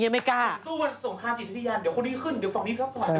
การเปลี่ยน